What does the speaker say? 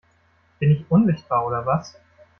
Bin ich unsichtbar oder was?